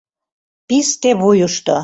ПИСТЕ ВУЙЫШТО